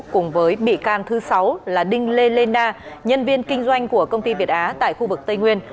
cùng với bị can thứ sáu là đinh lê lê na nhân viên kinh doanh của công ty việt á tại khu vực tây nguyên